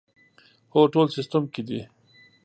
هو، ټول سیسټم کې دي